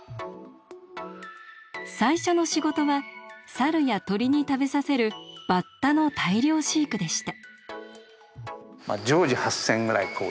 最初の仕事はサルや鳥に食べさせるバッタの大量飼育でした。